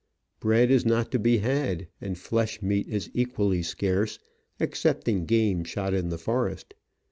Bread is not to be had, and flesh meat is equally scarce, excepting game shot in the forest.